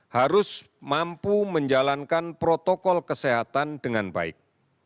harus mampu menjalankan protokol kesehatan dengan baik